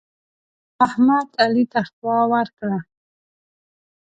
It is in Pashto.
احمد؛ علي ته خوا ورکړه.